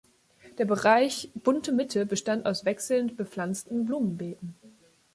Der Bereich Bunte Mitte bestand aus wechselnd bepflanzten Blumenbeeten.